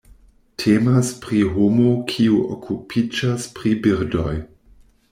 Temas pri homo kiu okupiĝas pri birdoj.